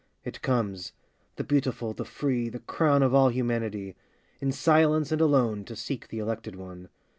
It comes, — the beautiful, the free, Tl: >wn of all humanity, — In silence and alone 2Q To seek the elected one.